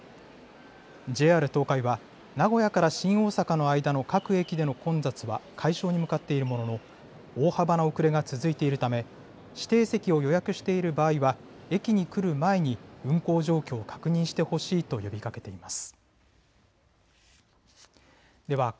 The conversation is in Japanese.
ＪＲ東海は名古屋から新大阪の間の各駅での混雑は解消に向かっているものの大幅な遅れが続いているため指定席を予約している場合は駅に来る前に運行状況を確認してほしいと呼びかけています。